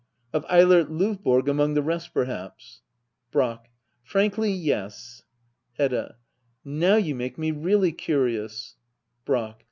Of Eilert Lovborg among the rest, perhaps ? Brack. Frankly — yes. Hedda* Now you make me really curious Brack.